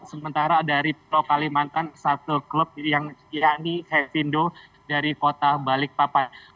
sementara dari pulau kalimantan satu klub yangi hevindo dari kota balikpapan